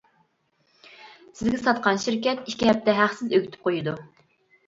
سىزگە ساتقان شىركەت ئىككى ھەپتە ھەقسىز ئۆگىتىپ قويىدۇ.